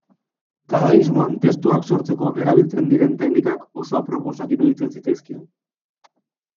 Dadaismoan testuak sortzeko erabiltzen diren teknikak oso aproposak iruditzen zitzaizkion.